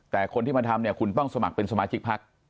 แต่คนที่มาทำเนี่ยคุณต้องสมัครเป็นสมาชิกพัก